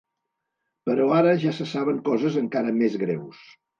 Però ara ja se saben coses encara més greus.